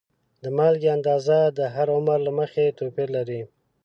د مالګې اندازه د هر عمر له مخې توپیر لري.